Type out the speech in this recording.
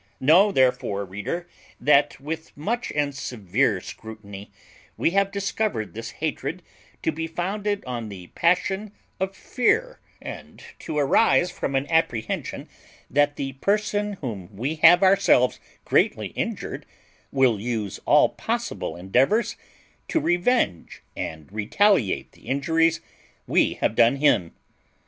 Know therefore, reader, that with much and severe scrutiny we have discovered this hatred to be founded on the passion of fear, and to arise from an apprehension that the person whom we have ourselves greatly injured will use all possible endeavours to revenge and retaliate the injuries we have done him.